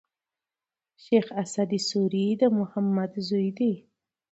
شېخ اسعد سوري د محمد زوی دﺉ.